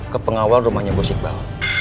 ke pengawal rumahnya bu iqbal